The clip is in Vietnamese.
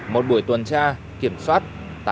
một buổi tuần tra kiểm soát tám nghìn ba trăm chín mươi bốn